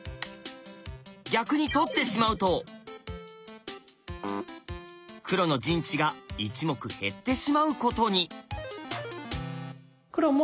逆に取ってしまうと黒の陣地が１目減ってしまうことに。